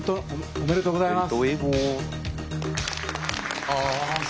ありがとうございます。